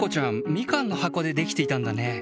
ミカンのはこでできていたんだね。